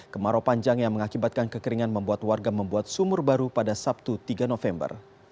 kemarau panjang yang mengakibatkan kekeringan membuat warga membuat sumur baru pada sabtu tiga november